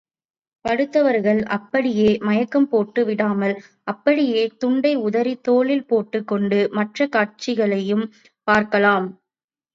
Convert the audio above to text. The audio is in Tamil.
படுத்தவர்கள் அப்படியே மயக்கம் போட்டு விடாமல், அப்படியே துண்டை உதறித் தோளில் போட்டுக் கொண்டு மற்றக் காட்சிகளையும் பார்க்கலாம்.